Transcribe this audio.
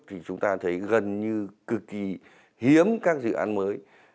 thì chúng ta thấy gần như cực kỳ hiếm các dự án mới